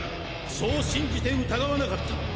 そう信じて疑わなかった。